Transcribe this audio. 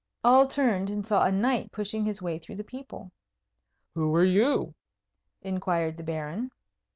All turned and saw a knight pushing his way through the people. "Who are you?" inquired the Baron.